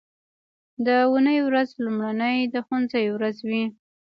د اونۍ ورځ لومړنۍ د ښوونځي ورځ وي